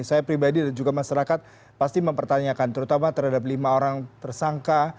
saya pribadi dan juga masyarakat pasti mempertanyakan terutama terhadap lima orang tersangka